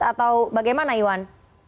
atau bagaimana iwan